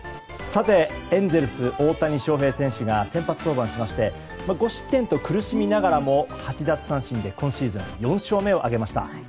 エンゼルス、大谷翔平選手が先発登板しまして５失点と苦しみながらも８奪三振で今シーズン４勝目を挙げました。